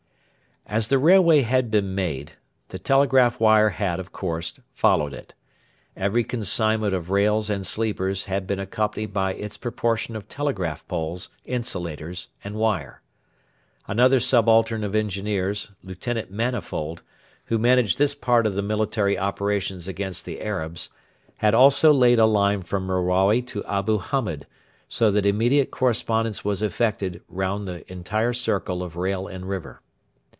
As the railway had been made, the telegraph wire had, of course, followed it. Every consignment of rails and sleepers had been accompanied by its proportion of telegraph poles, insulators, and wire. Another subaltern of Engineers, Lieutenant Manifold, who managed this part of the military operations against the Arabs, had also laid a line from Merawi to Abu Hamed, so that immediate correspondence was effected round the entire circle of rail and river.